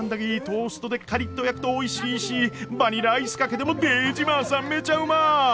トーストでカリッと焼くとおいしいしバニラアイスかけてもデージマーサンめちゃうま。